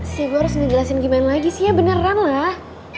si gue harus ngejelasin gimana lagi sih ya beneran lah